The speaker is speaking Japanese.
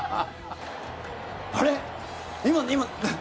あれ？